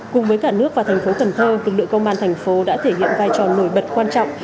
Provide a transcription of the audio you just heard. cùng với cả nước và thành phố cần thơ lực lượng công an thành phố đã thể hiện vai trò nổi bật quan trọng